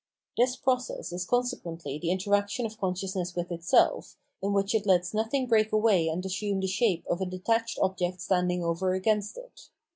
This process is consequently the interaction of con sciousness with itself, in which it lets nothing break away and assume the shape of a detached object standing over against it.